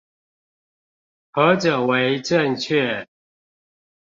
何者為正確？